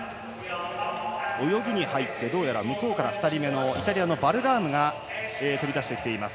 どうやら向こうから２人目のイタリアのバルラームが飛び出してきています。